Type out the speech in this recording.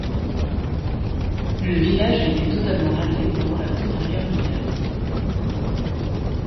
Le village a été totalement rasé pendant la Première Guerre mondiale.